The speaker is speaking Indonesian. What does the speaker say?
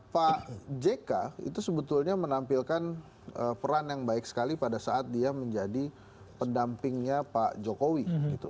pak jk itu sebetulnya menampilkan peran yang baik sekali pada saat dia menjadi pendampingnya pak jokowi